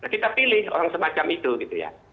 kita pilih orang semacam itu gitu ya